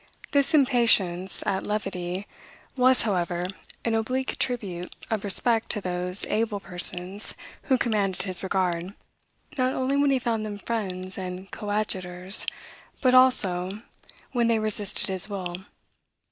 This impatience at levity was, however, an oblique tribute of respect to those able persons who commanded his regard, not only when he found them friends and coadjutors, but also when they resisted his will.